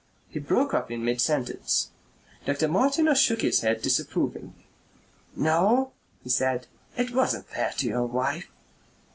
He broke off in mid sentence. Dr. Martineau shook his head disapprovingly. "No," he said, "it wasn't fair to your wife."